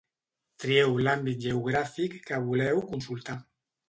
Trieu l'àmbit geogràfic que voleu consultar.